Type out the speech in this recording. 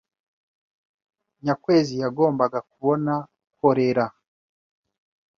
Nyakwezi yagombaga kubona kolera.